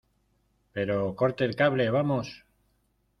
pero corte el cable, ¡ vamos!